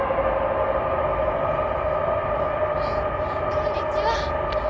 こんにちは。